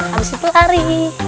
habis itu lari